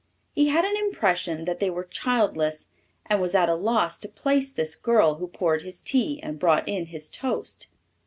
He had an impression that they were childless and was at a loss to place this girl who poured his tea and brought in his toast.